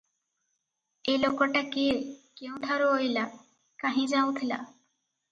ଏ ଲୋକଟା କିଏ, କେଉଁଠାରୁ ଅଇଲା, କାହିଁ ଯାଉଁଥିଲା?